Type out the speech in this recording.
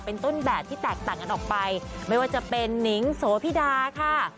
เป็นต้นแบบที่แตกต่างกันออกไปไม่ว่าจะเป็นนิ้งโสพิดาค่ะ